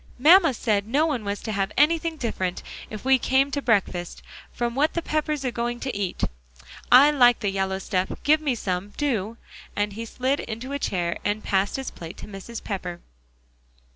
"Mamma said no one was to have anything different, if we came to breakfast, from what the Peppers are going to eat. I like the yellow stuff; give me some, do," and he slid into a chair and passed his plate to Mrs. Pepper.